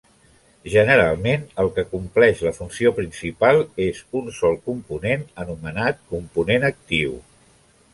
Generalment el que compleix la funció principal és un sol component, anomenat component actiu.